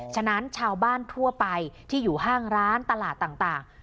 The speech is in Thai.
ฉะนั้นชาวบ้านทั่วไปที่อยู่ห้างร้านตลาดต่าง